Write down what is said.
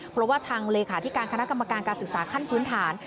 เพราะว่าทางเลขาธิการคณะกรรมการการศึกษาขั้นพื้นฐาน